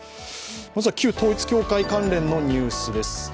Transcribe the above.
まずは旧統一教会関連のニュースです。